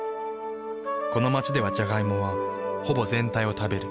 この街ではジャガイモはほぼ全体を食べる。